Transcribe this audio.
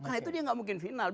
karena itu dia nggak mungkin final